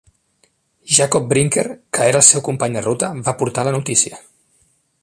Jacob Brinker, que era el seu company de ruta, va portar la notícia.